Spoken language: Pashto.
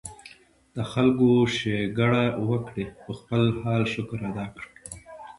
د خلکو ښېګړه وکړي ، پۀ خپل حال شکر ادا کړي